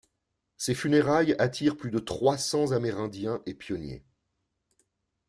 Ses funérailles attirent plus de trois cents amérindiens et pionniers.